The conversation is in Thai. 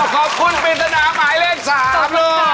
ขอบคุณปริศนาหมายเลข๓เลย